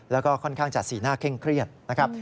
แล้วก็ค่อนข้างจะสีหน้าเคร่งเครียดนะครับ